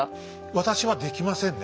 私はできませんね